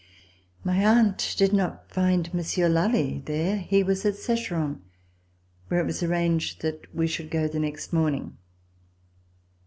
My aunt did not find Monsieur Lally there. He was at Secheron, where it was arranged that we should go the next morning.